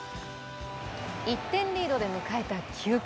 １点リードで迎えた９回。